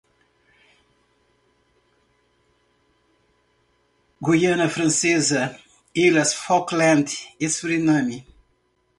Guiana Francesa, Ilhas Falkland e Suriname.